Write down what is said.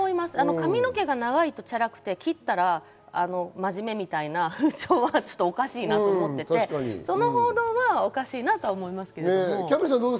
髪の毛が長いとチャラくて切ったら真面目みたいな風潮はおかしいなと思っていて、その報道はおかしいと思いますけど。